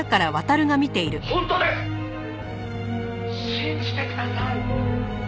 信じてください！」